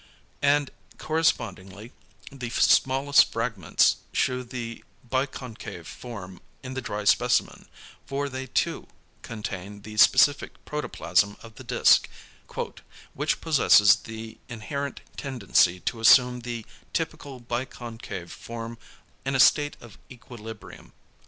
And correspondingly the smallest fragments shew the biconcave form in the dry specimen; for they too contain the specific protoplasm of the disc "which possesses the inherent tendency to assume the typical biconcave form in a state of equilibrium."